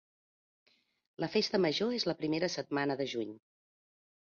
La festa major és la primera setmana de juny.